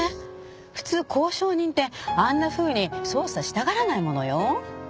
普通交渉人ってあんなふうに捜査したがらないものよ。